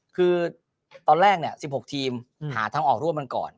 คือตอนแรก๑๖ทีมหาทางออกร่วมกันก่อน